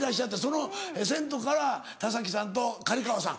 そのセントから田さんと刈川さん。